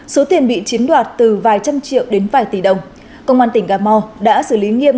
số tiền bị chiến đoạt từ vài trăm triệu đến vài tỷ đồng công an tỉnh cà mau đã xử lý nghiêm